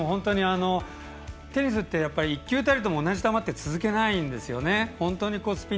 テニスって１球たりとも同じ球って続けないんですよね。